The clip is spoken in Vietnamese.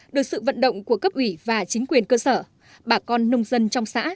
được sự vận động của cấp ủy và chính quyền cơ sở bà con nông dân trong xã